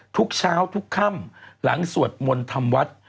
ทุกเช้าทุกค่ำหลังสวดมนต์ทำวัด